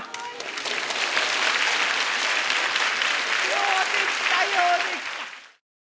ようできたようできた。